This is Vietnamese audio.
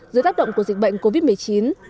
dưới tác động của dịch bệnh covid một mươi chín